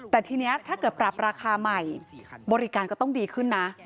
แต่ทีนี้ถ้าเกิดปรับราคาใหม่บริการก็ต้องดีขึ้นนะ